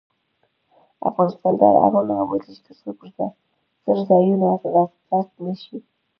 افغانستان تر هغو نه ابادیږي، ترڅو څرځایونه غصب نشي.